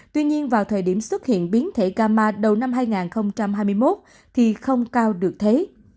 tuy nhiên vào thời điểm xuất hiện biến thể ca ma đầu năm hai nghìn hai mươi một thì không cao được thế